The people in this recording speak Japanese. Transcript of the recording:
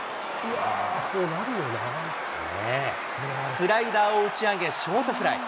スライダーを打ち上げ、ショートフライ。